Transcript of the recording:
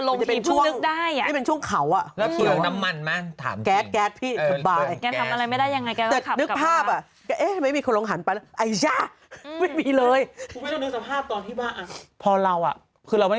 แล้วพอจะลงทีมนี่